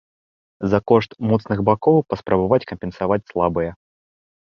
За кошт моцных бакоў паспрабаваць кампенсаваць слабыя.